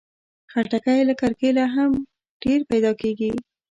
خټکی له کرکيله هم ډېر پیدا کېږي.